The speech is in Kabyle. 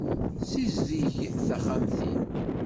Ssizdeg taxxamt-im.